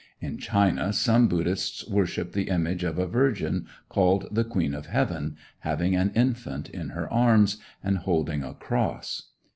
In China, some Buddhists worship the image of a virgin, called the Queen of Heaven, having an infant in her arms, and holding a cross.